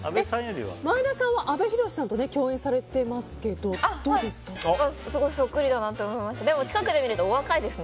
前田さんは阿部寛さんと共演されてますけどすごい、そっくりだなと思います。